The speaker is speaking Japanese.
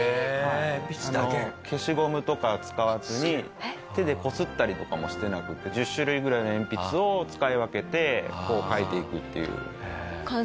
消しゴムとか使わずに手でこすったりとかもしてなくて１０種類ぐらいの鉛筆を使い分けてこう描いていくっていう。